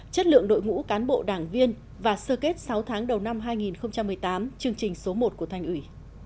chất lượng đội ngũ cán bộ đảng viên và sơ kết sáu tháng đầu năm hai nghìn một mươi tám chương trình số một của thành ủy